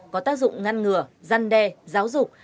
có tác dụng ngăn ngừa gian đe giáo dục